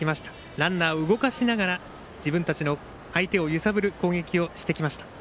ランナーを動かしながら自分たちの相手を揺さぶる攻撃をしてきました。